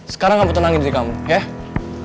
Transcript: sekarang kamu tenangin sih kamu ya